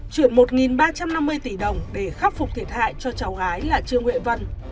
chuyển một ba trăm năm mươi tỷ đồng để khắc phục thiệt hại cho cháu gái là trương huệ vân